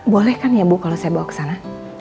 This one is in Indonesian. boleh kan ya bu kalau saya bawa kesana